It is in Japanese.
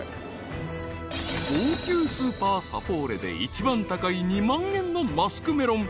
［高級スーパーサポーレで一番高い２万円のマスクメロン］